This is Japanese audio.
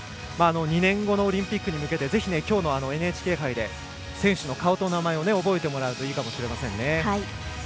２年後のオリンピックに向けてぜひ、きょうのＮＨＫ杯で選手の顔と名前を覚えてもらうといいかもしれませんね。